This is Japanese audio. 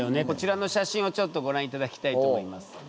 こちらの写真をちょっとご覧いただきたいと思います。